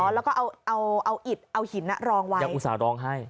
แล้วก็เอาอิดเอาหินรองไว้ยังอุตส่าห์ร้องให้